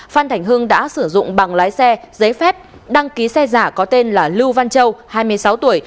phan thành hưng đã sử dụng bằng lái xe giấy phép đăng ký xe giả có tên là lưu văn châu hai mươi sáu tuổi